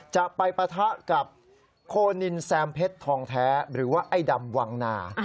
จะไปปะทะกับโคนินแซมเพชรทองแท้หรือว่าไอ้ดำวังนา